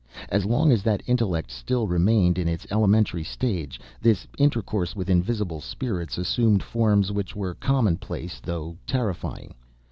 As long as that intellect still remained in its elementary stage, this intercourse with invisible spirits assumed forms which were commonplace though terrifying.